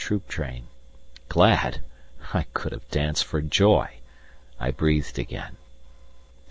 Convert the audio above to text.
troop train. Glad! I could have danced for joy. I breathed again.